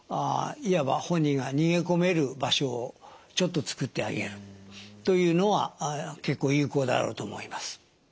いわば本人が逃げ込める場所をちょっと作ってあげるというのは結構有効だろうと思います。